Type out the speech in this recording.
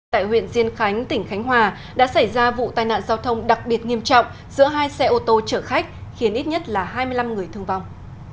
tại huyện diên khánh tỉnh khánh hòa đã xảy ra vụ tai nạn giao thông đặc biệt nghiêm trọng giữa hai xe ô tô chở khách khiến ít nhất là hai mươi năm người thương vong